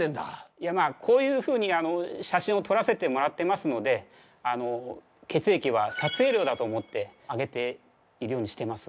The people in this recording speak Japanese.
いやまあこういうふうに写真を撮らせてもらってますので血液は撮影料だと思ってあげているようにしてます。